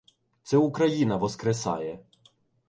Це Україна воскресає.